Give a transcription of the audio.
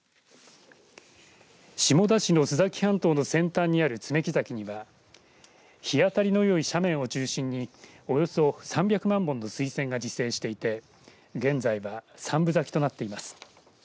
下田市の須崎半島の先端にある爪木崎には日当たりのよい斜面を中心におよそ３００万本野水仙が自生していて現在は３分咲きとなっています。